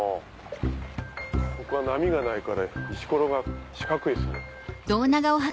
ここは波がないから石ころが四角いですね。